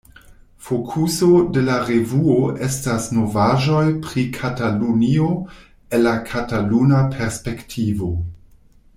Fokuso de la revuo estas novaĵoj pri Katalunio el la kataluna perspektivo.